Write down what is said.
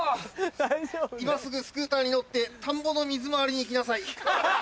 今すぐスクーターに乗って田んぼの水回りに行きなさい。